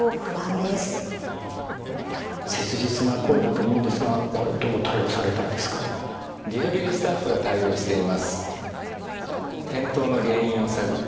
切実な声だと思うんですがこれどう対応されたんですか？